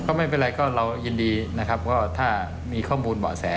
ใครมีก็ส่งมาเรายินดีรับอีกแล้ว